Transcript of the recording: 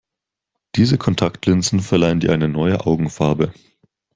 Diese Kontaktlinsen verleihen dir eine neue Augenfarbe.